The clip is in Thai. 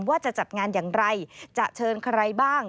ว่าจะจัดงานอย่างไรจะเชิญใครบ้าง